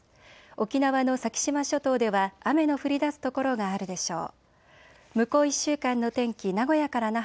沖縄の先島諸島では雨の降りだす所があるでしょう。